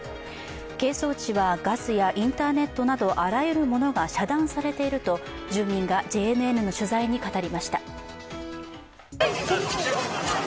係争地はガスやインターネットなどあらゆるものが遮断されていると住民がＪＮＮの取材に語りました。